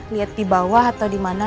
lihat di bawah atau di mana